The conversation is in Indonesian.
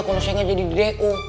kalo saya nggak jadi di d e u